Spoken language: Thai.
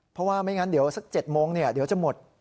เพราะว่าไม่งั้นเดี๋ยวสัก๗โมงเดี๋ยวจะหมด